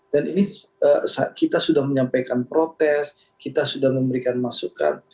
dan ini kita sudah menyampaikan protes kita sudah memberikan masukan